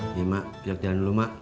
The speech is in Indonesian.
ini mak jalan jalan dulu mak